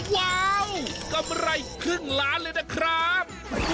ว้าวกำไรครึ่งล้านเลยนะครับ